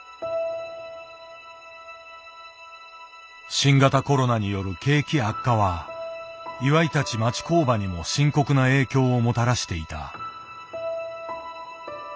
新型コロナによる景気悪化は岩井たち町工場にも深刻な影響をもたらしていた。